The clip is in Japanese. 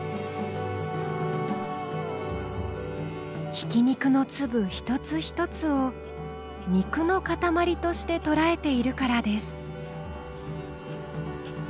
ひき肉の粒一つ一つを肉の塊としてとらえているからです。